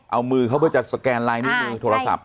เอามือเขาเพื่อจะสแกนลายนิ้วมือโทรศัพท์